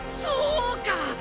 そうか！